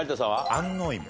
安納芋。